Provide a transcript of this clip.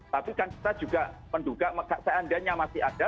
tapi kan kita juga menduga seandainya masih ada